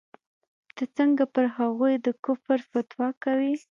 ته څنگه پر هغوى د کفر فتوا کوې.